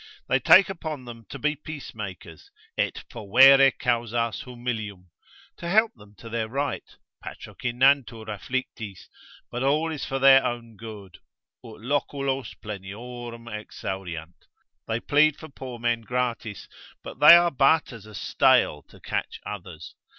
They take upon them to be peacemakers, et fovere causas humilium, to help them to their right, patrocinantur afflictis, but all is for their own good, ut loculos pleniorom exhauriant, they plead for poor men gratis, but they are but as a stale to catch others.